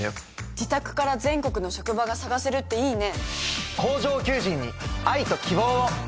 自宅から全国の職場が探せるっていいね！